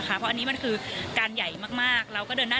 การเมืองไทยวันนี้นะ